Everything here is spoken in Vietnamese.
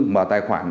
mở tài khoản